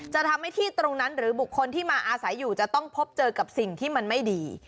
จะทำให้ที่ตรงนั้นหรือบุคคลที่มาอาศัยอยู่จะต้องพบเจอกับสิ่งที่มันไม่ดี